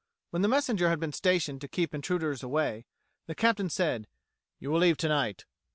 When the messenger had been stationed to keep intruders away, the Captain said: "You will leave tonight.